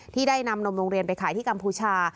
ที่ได้นำนมโรงเรียนไปขายที่กัมพูชา